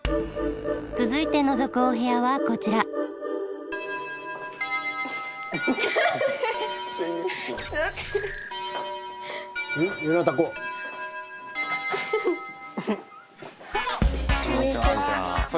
続いてのぞくお部屋はこちらこんにちは。